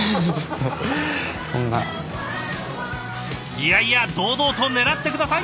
いやいや堂々と狙って下さい！